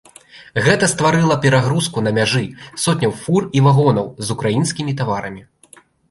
Гэта стварыла перагрузку на мяжы сотняў фур і вагонаў з украінскімі таварамі.